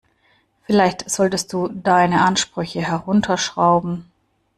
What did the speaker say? Vielleicht solltest du deine Ansprüche herunterschrauben.